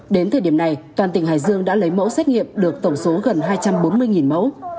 đến thời điểm này toàn tỉnh hải dương đã lấy mẫu xét nghiệm được tổng số gần hai trăm bốn mươi mẫu